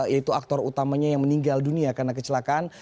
yaitu aktor utamanya yang meninggal dunia karena kecelakaan